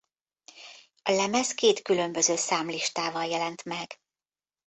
A lemez két különböző számlistával jelent meg.